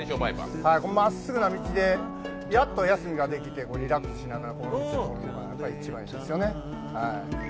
まっすぐな道でやっと休みができてリラックスしながら走るのが一番いいですよね。